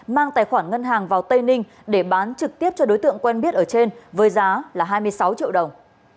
mang tài khoản ngân hàng vào tây ninh để bán trực tiếp cho đối tượng quen biết ở trên với giá là hai mươi sáu triệu đồng